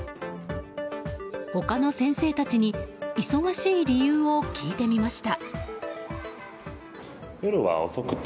他の先生たちに忙しい理由を聞いてみました。